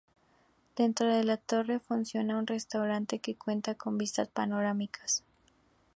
Dentro de la torre funciona un restaurante que cuenta con vistas panorámicas.